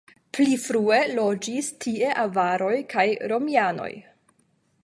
Pli frue loĝis tie avaroj kaj romianoj.